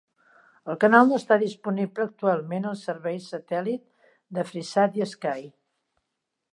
El canal no està disponible actualment als serveis satèl·lit de Freesat i Sky.